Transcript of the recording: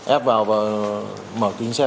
ép vào và mở kính xe